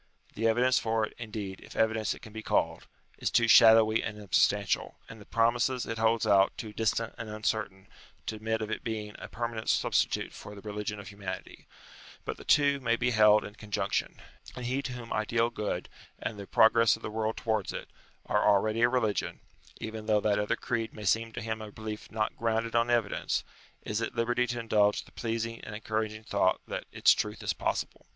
The evidence for it, indeed, if evidence it can be called, is too shadowy and unsubstantial, and the promises it holds out too distant and uncertain, to admit of its being a permanent substitute for the religion of humanity ; but the two may be held in conjunction : and he to whom ideal good, and the progress of the world towards it, are already a religion, even though that other creed may seem to him a belief not grounded on evidence, is at liberty to indulge the pleasing and encouraging thought, that its truth is possible.